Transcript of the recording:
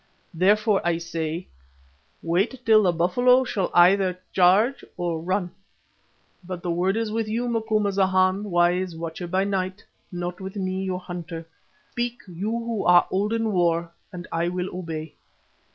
Therefore, I say, 'Wait till the buffalo shall either charge or run.' But the word is with you, Macumazana, wise Watcher by Night, not with me, your hunter. Speak, you who are old in war, and I will obey."